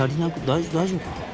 大丈夫かな。